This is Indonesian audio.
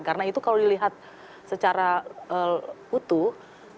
karena itu kalau dilihat secara utuh